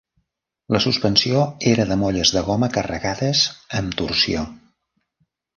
La suspensió era de molles de goma carregades amb torsió.